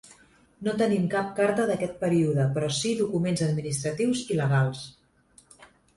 No tenim cap carta d'aquest període però sí documents administratius i legals.